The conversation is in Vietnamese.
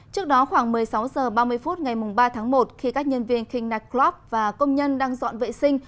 trước đó khoảng một mươi sáu h ba mươi phút ngày ba tháng một khi các nhân viên king nightclub và công nhân đang dọn vệ sinh